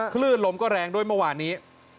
คลื่นลมก็แรงด้วยเมื่อวานนี้